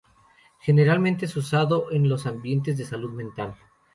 Generalmente es usado en los ambientes de salud mental.